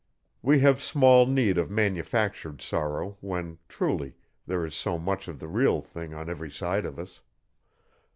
We have small need of manufactured sorrow when, truly, there is so much of the real thing on every side of us.